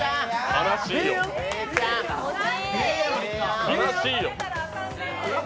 悲しいよ。